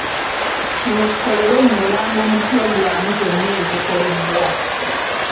Kino kikolebwe mu bulango mu pulogulaamu zonna ezikolebwa.